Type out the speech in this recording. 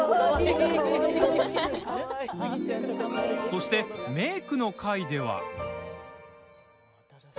そして、メークの回では。